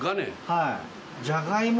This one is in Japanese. はい。